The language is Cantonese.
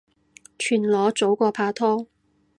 全裸早過拍拖